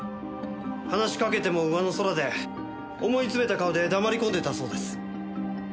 話しかけても上の空で思いつめた顔で黙り込んでたそうです。